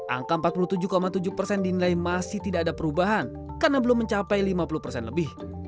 angka empat puluh tujuh tujuh persen dinilai masih tidak ada perubahan karena belum mencapai lima puluh persen lebih